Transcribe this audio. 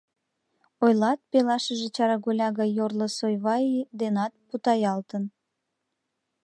Ойлат, пелашыже чараголя гай йорло Сойваи денат путаялтын.